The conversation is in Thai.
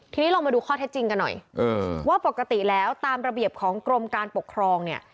ทีนี้ลองมาดูข้อเท็จจริงกันหน่อยว่าปกติแล้วตามระเบียบของกรมการปกครองเนี่ย